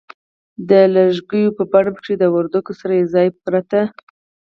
د لږکیو په بڼه پکښې د وردگو سره یوځای پرته